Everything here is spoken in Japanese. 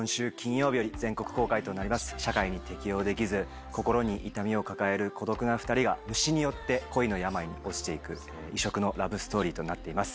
社会に適応できず心に痛みを抱える孤独な２人が虫によって恋の病に落ちて行く異色のラブストーリーとなっています。